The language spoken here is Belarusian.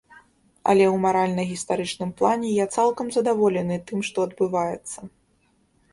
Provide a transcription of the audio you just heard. Але ў маральна-гістарычным плане я цалкам задаволены тым, што адбываецца.